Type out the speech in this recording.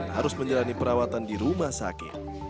harus menjalani perawatan di rumah sakit